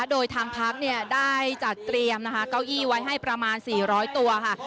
โดยทางพักได้จัดเตรียมนะคะเก้าอี้ไว้ให้ประมาณ๔๐๐ตัวค่ะ